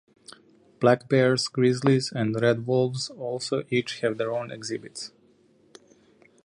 Black bears, grizzlies and red wolves also each have their own exhibits.